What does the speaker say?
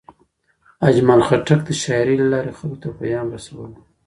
اجمل خټک د شاعرۍ له لارې خلکو ته پیام رسولی.